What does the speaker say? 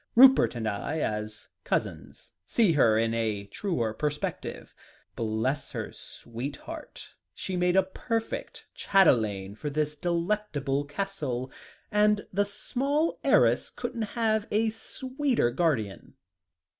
Rupert and I, as cousins, see her in a truer perspective. Bless her sweet heart! She makes a perfect chatelaine for this delectable castle, and the small heiress couldn't have a sweeter guardian."